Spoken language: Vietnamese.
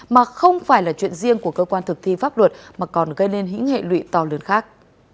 mà không phải là chuyện riêng của cơ quan thực thi pháp luật mà còn gây nên hĩ hệ lụy to lớn khác